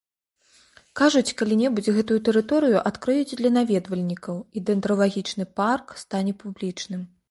Кажуць, калі-небудзь гэтую тэрыторыю адкрыюць для наведвальнікаў, і дэндралагічны парк стане публічным.